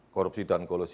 korupsi dan kolosi